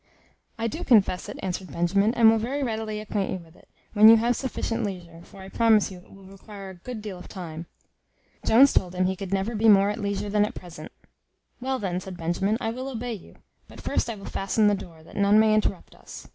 "I do confess it," answered Benjamin, "and will very readily acquaint you with it, when you have sufficient leisure, for I promise you it will require a good deal of time." Jones told him, he could never be more at leisure than at present. "Well, then," said Benjamin, "I will obey you; but first I will fasten the door, that none may interrupt us."